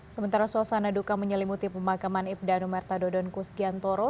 sementara suasana duka menyelimuti pemakaman ibda nomerta dodon kus giantoro